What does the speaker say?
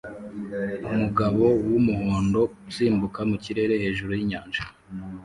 umugabo wumuhondo usimbuka mu kirere hejuru yinyanja